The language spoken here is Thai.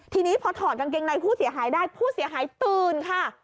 ทีนี้พอถอดกางเกงในผู้เสียหายได้ผู้เสียหายตื่นค่ะ